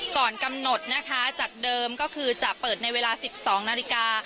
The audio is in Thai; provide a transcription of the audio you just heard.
ก่อนกำหนดนะคะจากเดิมก็คือจะเปิดในเวลา๑๒นาฬิกา